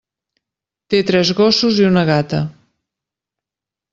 Té tres gossos i una gata.